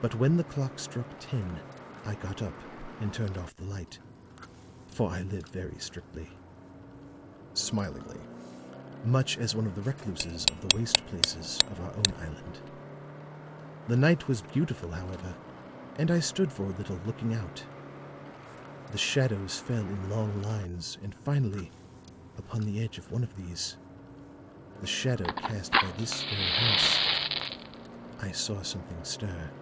But when the clock struck ten, I got up and turned off the light, for I live very strictly," smilingly, "much as one of the recluses of the waste places of our own island. The night was beautiful, however, and I stood for a little looking out. The shadows fell in long lines and finally upon the edge of one of these the shadow cast by this very house I saw something stir."